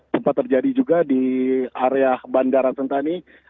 sempat terjadi juga di area bandara sentani